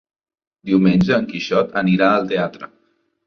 Diumenge en Quixot anirà al teatre.